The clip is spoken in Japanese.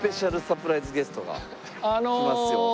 サプライズゲストが来ますよ。